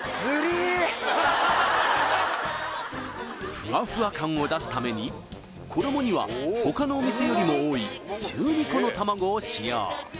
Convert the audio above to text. ふわふわ感を出すために衣にはほかのお店よりも多い１２個の卵を使用